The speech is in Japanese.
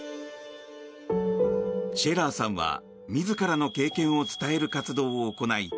シェラーさんは自らの経験を伝える活動を行い